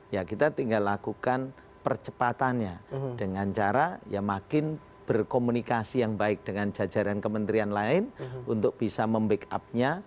ya kita tinggal lakukan percepatannya dengan cara ya makin berkomunikasi yang baik dengan jajaran kementerian lain untuk bisa membackupnya